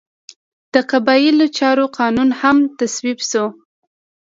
د قبایلي چارو قانون هم تصویب شو.